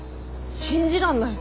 信じらんない。